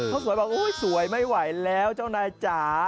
เขาสวยบอกอุ๊ยสวยไม่ไหวแล้วเจ้านายจ๋า